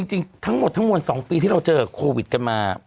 จริงทั้งหมดทั้งมวล๒ปีที่เราเจอโควิดกันมา